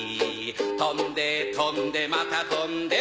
飛んで飛んでまた飛んで